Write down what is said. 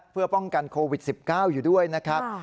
เพื่อป้องกันโควิด๑๙อยู่ด้วยนะครับ